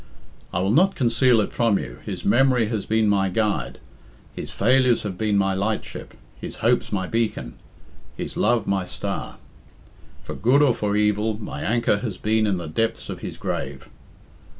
I will not conceal it from you his memory has been my guide, his failures have been my lightship, his hopes my beacon, his love my star. For good or for evil, my anchor has been in the depths of his grave.